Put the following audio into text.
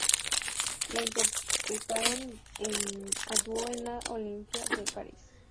La interpretaron a dúo en el Olympia de París.